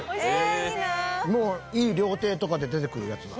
もういい料亭とかで出てくるやつだ。